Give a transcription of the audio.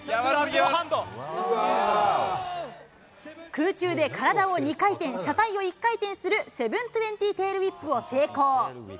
空中で体を２回転、車体を１回転する７２０テールウィップを成功。